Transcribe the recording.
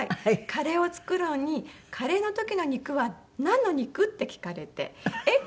カレーを作るのに「カレーの時の肉はなんの肉？」って聞かれてえっ